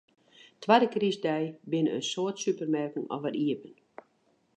Twadde krystdei binne in soad supermerken alwer iepen.